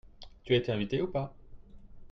Tu as été invité ou pas ?